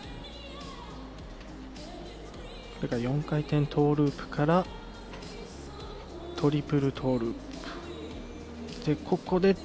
４回転トーループからトリプルトーループ。